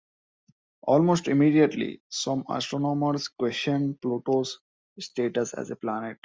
Almost immediately, some astronomers questioned Pluto's status as a planet.